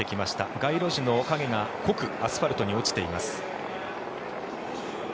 街路樹の影が濃くアスファルトに落ちています。